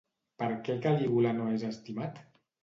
Per què Calígula no és estimat?